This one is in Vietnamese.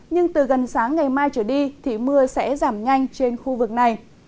nhưng từ gần sáng ngày mai trở đi thì mưa sẽ giảm nhanh trên khu vực này